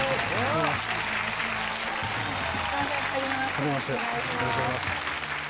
はじめましてお願いします。